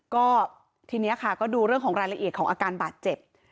ก็ทีนี้ค่ะก็ดูเรื่องของรายละเอียดของอาการบาดเจ็บ